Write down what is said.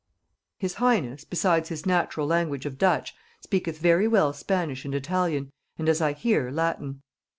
"His highness, besides his natural language of Dutch, speaketh very well Spanish and Italian, and, as I hear, Latin.